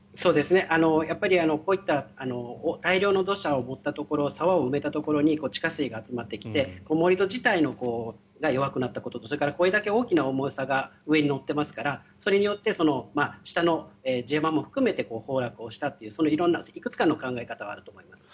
やっぱりこういった大量の土砂を盛ったところ沢を埋めたところに地下水が集まってきて盛り土自体が弱くなったこととそれからこれだけ大きな重さが上に乗っていますからそれによって下の地盤も含めて崩落をしたといういくつかの考え方があると思います。